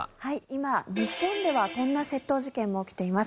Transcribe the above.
今日本ではこんな窃盗事件も起きています。